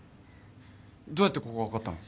どうやってここ分かったの？